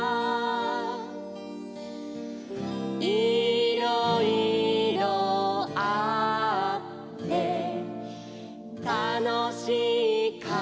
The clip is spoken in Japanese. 「いろいろあってたのしいかもね」